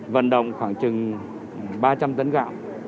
vận động khoảng trừng ba trăm linh tấn gạo